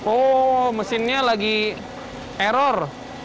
oh mesinnya lagi error